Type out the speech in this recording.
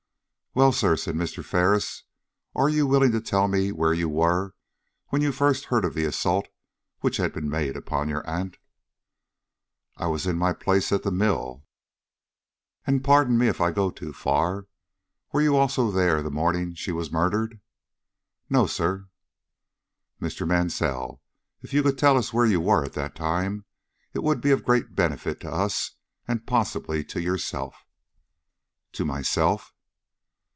"Well, sir," said Mr. Ferris, "are you willing to tell me where you were when you first heard of the assault which had been made upon your aunt?" "I was in my place at the mill." "And pardon me if I go too far were you also there the morning she was murdered?" "No, sir." "Mr. Mansell, if you could tell us where you were at that time, it would be of great benefit to us, and possibly to yourself." "To myself?"